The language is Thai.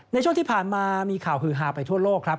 ในช่วงที่ผ่านมามีข่าวฮือฮาไปทั่วโลกครับ